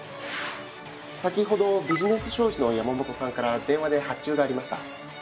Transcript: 先ほどビジネス商事の山本さんから電話で発注がありました。